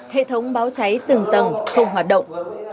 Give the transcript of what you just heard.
hệ thống báo cháy từng tầng không hoạt động